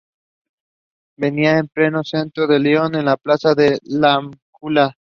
Vivía en pleno centro de León, en la plaza de La Inmaculada.